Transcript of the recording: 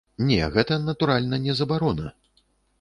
Не, гэта, натуральна, не забарона.